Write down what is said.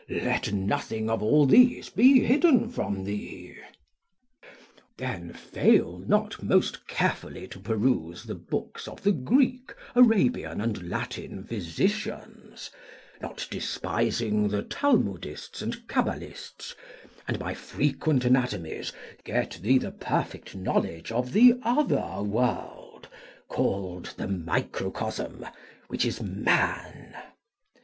Let nothing of all these be hidden from thee. Then fail not most carefully to peruse the books of the Greek, Arabian, and Latin physicians, not despising the Talmudists and Cabalists; and by frequent anatomies get thee the perfect knowledge of the other world, called the microcosm, which is man.